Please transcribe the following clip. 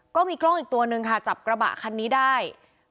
ก็มีกล้องอีกตัวนึงค่ะจับกระบะคันนี้ได้